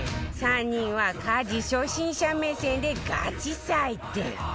３人は家事初心者目線でガチ採点